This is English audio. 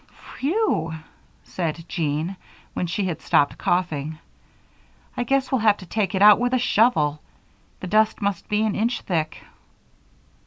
"Phew!" said Jean, when she had stopped coughing. "I guess we'll have to take it out with a shovel. The dust must be an inch thick."